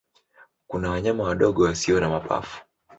Kuna wanyama wadogo wasio na mapafu.